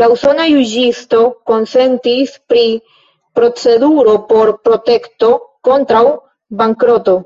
La usona juĝisto konsentis pri proceduro por protekto kontraŭ bankroto.